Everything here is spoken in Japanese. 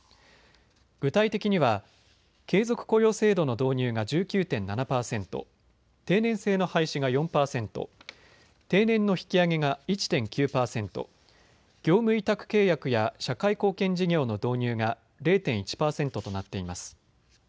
具体的には継続雇用制度の導入が１９．７％、定年制の廃止が４％、定年の引き上げが１．９％、業務委託契約や社会貢献事業の導入が０．１％となっています。